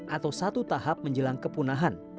atau satu tahap menjelang kepunahan